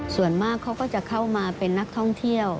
ส่วนมากเขาก็จะเข้ามาเป็นนักท่องเที่ยว